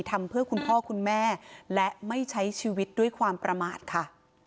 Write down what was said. ทำเพื่อคุณพ่อคุณแม่และไม่ใช้ชีวิตด้วยความประมาทค่ะ